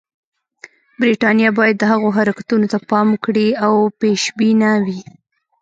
برټانیه باید د هغوی حرکتونو ته پام وکړي او پېشبینه وي.